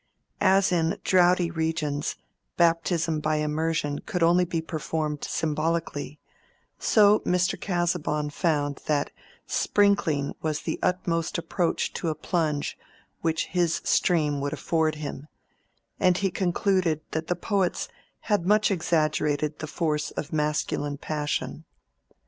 As in droughty regions baptism by immersion could only be performed symbolically, Mr. Casaubon found that sprinkling was the utmost approach to a plunge which his stream would afford him; and he concluded that the poets had much exaggerated the force of masculine passion.